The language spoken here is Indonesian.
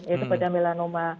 yaitu pada melanoma